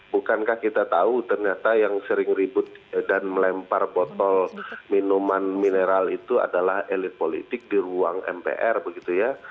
bukankah kita tahu ternyata yang sering ribut dan melempar botol minuman mineral itu adalah elit politik di ruang mpr begitu ya